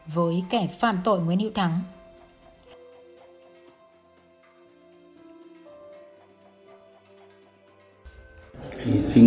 với kẻ phàm tội nguyễn yêu thắng